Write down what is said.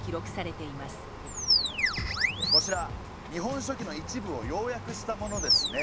こちら「日本書紀」の一部を要約したものですね。